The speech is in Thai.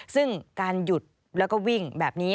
ซึ่งการหยุดแล้วก็วิ่งแบบนี้